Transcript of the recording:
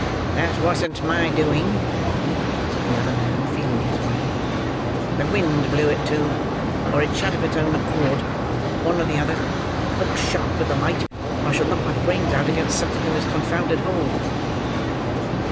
"That wasn't my doing," said the other man, feeling his way. "The wind blew it to, or it shut of its own accord: one or the other. Look sharp with the light, or I shall knock my brains out against something in this confounded hole."